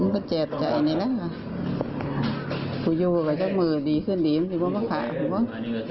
ไปฟังกัน